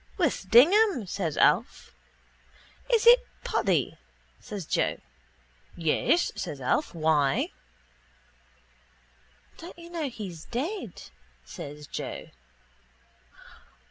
—With Dignam, says Alf. —Is it Paddy? says Joe. —Yes, says Alf. Why? —Don't you know he's dead? says Joe.